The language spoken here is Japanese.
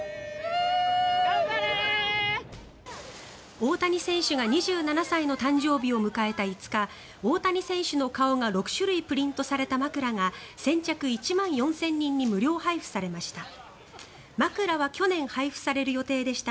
大谷選手が２７歳の誕生日を迎えた５日大谷選手の顔が６種類プリントされた枕が先着１万４０００人に無料配布されました。